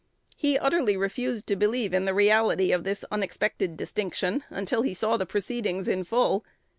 He utterly refused to believe in the reality of this unexpected distinction until he saw the proceedings in full.